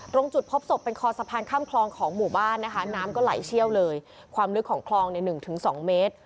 ตรงจุดพบศพเป็นคอสะพานข้ามคลองของหมู่บ้านนะคะน้ำก็ไหลเชี่ยวเลยความลึกของคลองใน๑๒เมตร